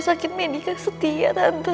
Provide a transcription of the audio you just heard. di rumah sakit medika setia tante